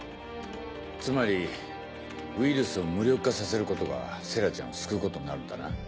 つまりウイルスを無力化させることが星来ちゃんを救うことになるんだな。